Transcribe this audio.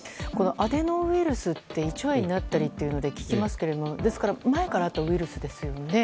アデノウイルスって胃腸炎になったりというので聞きますけれども前からあったウイルスですよね。